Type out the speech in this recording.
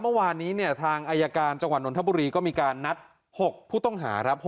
เมื่อวานนี้เนี่ยทางอายการจังหวัดนทบุรีก็มีการนัด๖ผู้ต้องหาครับ